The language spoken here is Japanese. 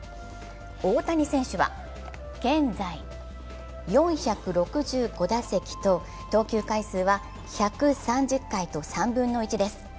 大谷選手は、現在４６５打席と投球回数は１３０回と３分の１です。